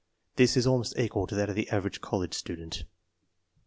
This is almost equal to that of the average college student.